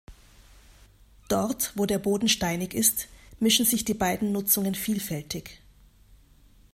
Dort, wo der Boden steinig ist, mischen sich die beiden Nutzungen vielfältig.